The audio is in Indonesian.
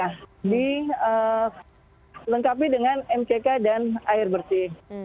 kita sudah dilengkapi dengan mck dan air bersih